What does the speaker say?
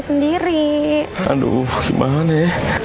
sendiri aduh gimana ya